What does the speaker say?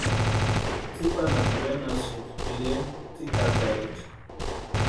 Tsipa anapu wénasïnti pireni tsikataecha.